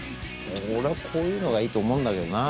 俺はこういうのがいいと思うんだけどな。